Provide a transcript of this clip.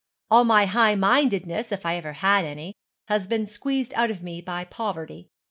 All my high mindedness, if I ever had any, has been squeezed out of me by poverty.